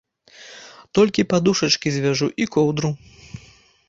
Толькі падушачкі звяжу і коўдру.